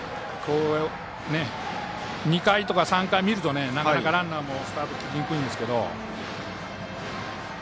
２回とか３回見るとなかなかランナーもスタート切りにくいんですけど。